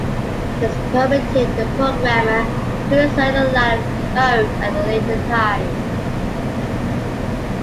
This permitted the programmer to insert a line of code at a later time.